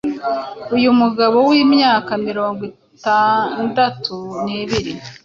Uyu mugabo w'imyaka mirongo itandatu nibiri